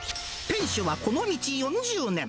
店主はこの道４０年。